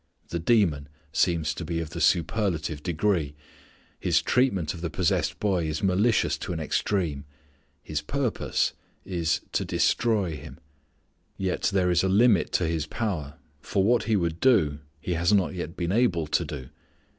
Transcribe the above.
The demon seems to be of the superlative degree. His treatment of the possessed boy is malicious to an extreme. His purpose is "to destroy" him. Yet there is a limit to his power, for what he would do he has not yet been able to do.